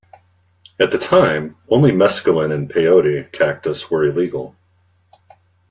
At the time only Mescaline and the Peyote cactus were illegal.